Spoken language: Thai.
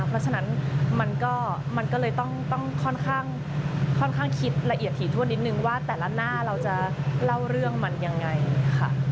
เพราะฉะนั้นมันก็เลยต้องค่อนข้างคิดละเอียดถี่ถ้วนนิดนึงว่าแต่ละหน้าเราจะเล่าเรื่องมันยังไงค่ะ